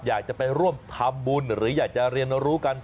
อยากจะไปร่วมทำบุญหรืออยากจะเรียนรู้กัน